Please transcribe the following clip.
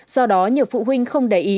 do đó nhiều phụ huynh không để ý